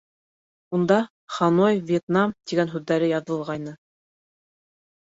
Унда «Ханой, Вьетнам» тигән һүҙҙәр яҙылғайны.